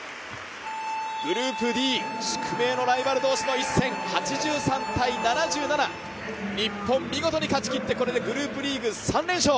グループＤ、宿命のライバル同士の一戦、８３−７７、日本見事に勝ちきってこれでグループリーグ３連勝。